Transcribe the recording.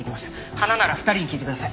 花なら２人に聞いてください。